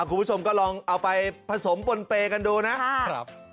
คุณผู้ชมก็ลองเอาไปผสมบนเปรย์กันดูนะครับ